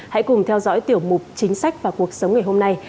hãy cùng theo dõi tiểu mục chính sách và cuộc sống ngày hôm nay